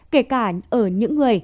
kể cả ở những người